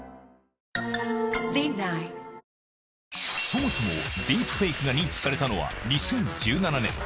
そもそもディープフェイクが認知されたのは、２０１７年。